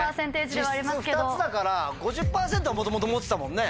実質２つだから５０％は元々持ってたもんね。